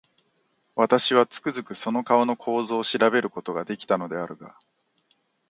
私は、つくづくその顔の構造を調べる事が出来たのであるが、